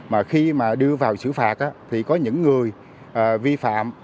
mà khi mà đưa vào xử phạt thì có những người vi phạm